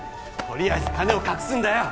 とりあえず金を隠すんだよ